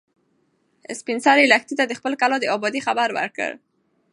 سپین سرې لښتې ته د خپلې کلا د ابادۍ خبر ورکړ.